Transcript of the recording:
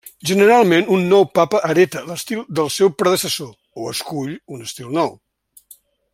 Generalment, un nou papa hereta l'estil del seu predecessor o escull un estil nou.